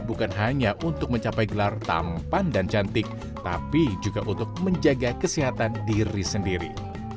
bukan hanya untuk mencapai gelar tampan dan cantik tapi juga untuk menjaga kesehatan diri sendiri